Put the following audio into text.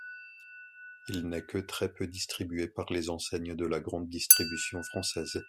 Il n'est que très peu distribué par les enseignes de la grande distribution française.